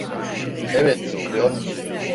Evet, biliyor musun?